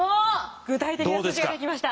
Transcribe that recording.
具体的な数字が出てきました。